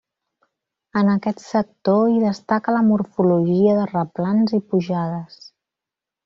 En aquest sector hi destaca la morfologia de replans i pujades.